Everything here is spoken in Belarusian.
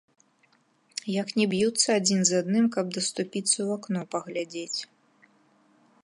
Як не б'юцца адзін з адным, каб даступіцца ў акно паглядзець.